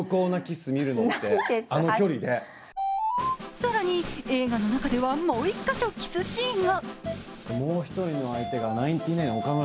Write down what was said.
更に映画の中ではもう一カ所キスシーンが。